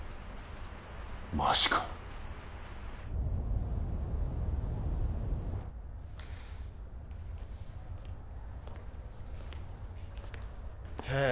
マジかへえ